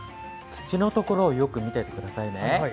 土のところをよく見ててくださいね。